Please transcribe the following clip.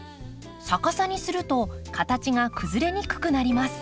逆さにすると形が崩れにくくなります。